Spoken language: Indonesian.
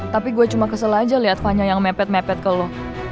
tapi gue cuma kesel aja lihat vanya yang mepet mepet ke lo